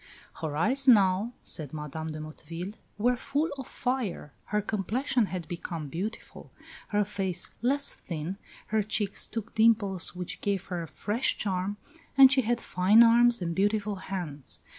"Her eyes now" says Madame de Motteville, "were full of fire, her complexion had become beautiful, her face less thin, her cheeks took dimples which gave her a fresh charm, and she had fine arms and beautiful hands.